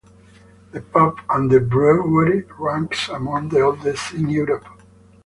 The pub and the brewery ranks among the oldest in Europe.